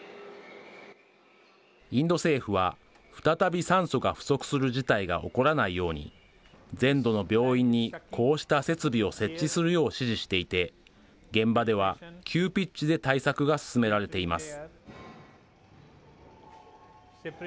インド政府は、再び酸素が不足する事態が起こらないように、全土の病院にこうした設備を設置するよう指示していて、現場では急ピッチで対策が進められています。